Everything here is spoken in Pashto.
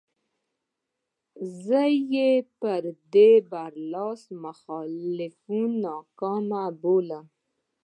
زه یې پر ده برلاسي مخالفین ناکام بولم.